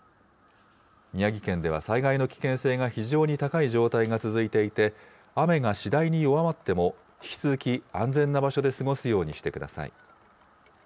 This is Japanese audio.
宮城県では災害の危険性が非常に高い状態が続いていて、雨が次第に弱まっても、引き続き、安全な場所で過ごすようにしてください。